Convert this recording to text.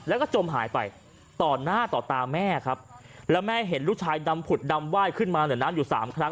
แล้วก็จมหายไปต่อหน้าต่อตาแม่ครับแล้วแม่เห็นลูกชายดำผุดดำไหว้ขึ้นมาเหนือน้ำอยู่สามครั้ง